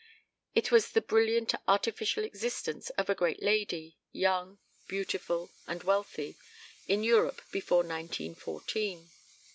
It was the brilliant artificial existence of a great lady, young, beautiful, and wealthy, in Europe before nineteen fourteen.